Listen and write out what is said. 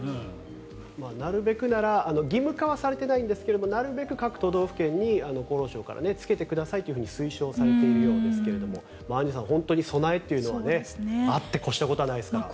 なるべくなら義務化はされていないんですけどなるべく各都道府県に厚労省からつけてくださいと推奨されているようですがアンジュさん本当に備えというのはあって越したことはないですから。